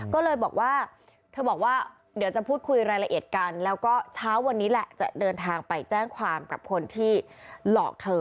ก็เลยบอกว่าเธอบอกว่าเดี๋ยวจะพูดคุยรายละเอียดกันแล้วก็เช้าวันนี้แหละจะเดินทางไปแจ้งความกับคนที่หลอกเธอ